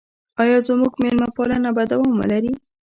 آیا زموږ میلمه پالنه به دوام ولري؟